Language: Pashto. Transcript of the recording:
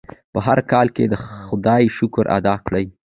په هر حال کې د خدای شکر ادا کړئ.